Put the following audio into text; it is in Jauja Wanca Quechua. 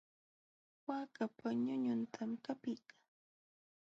Waakapa ñuñuntam qapiykaa.